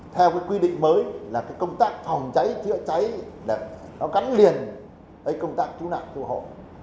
theo quy định mới là công tác phòng cháy chữa cháy gắn liền với công tác chữa nạn cứu hộ